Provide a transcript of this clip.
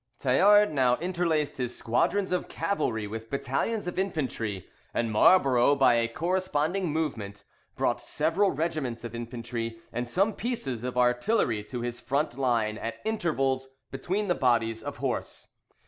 Tallard now interlaced his squadrons of cavalry with battalions of infantry; and Marlborough by a corresponding movement, brought several regiments of infantry, and some pieces of artillery, to his front line, at intervals between the bodies of horse.